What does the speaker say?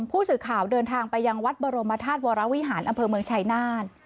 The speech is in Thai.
ผู้สื่อข่าวเดินทางไปยังวัดบรมธาตุวรวิหารอำเภอเมืองชายนาฏ